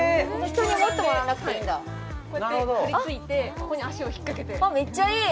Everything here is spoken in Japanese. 人に持ってもらわなくていいんだはいこうやって貼り付いてここに足をひっかけてあっめっちゃいい！